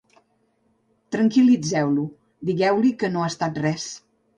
Tranquil·litzeu-lo: digueu-li que no ha estat res.